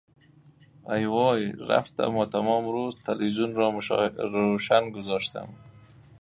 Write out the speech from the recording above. ای وای! رفتم و تمام روز تلویزیون را روشن گذاشتم؟